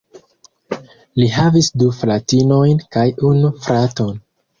Li havis du fratinojn kaj unu fraton.